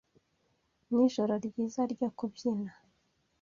Nijoro ryiza ryo kubyina.